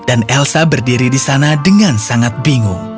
dan elsa berdiri di sana dengan sangat bingung